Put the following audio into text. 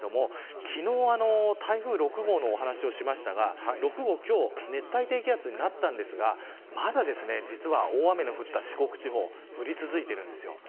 昨日、台風６号の話をしましたが６号、今日熱帯低気圧になったんですがまだ実は、大雨の降った四国地方降り続いています。